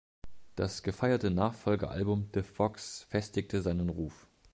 Das gefeierte Nachfolgeralbum "The Fox" festigte seinen Ruf.